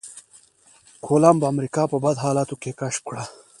کولمب امريکا په بد حالاتو کې کشف کړه.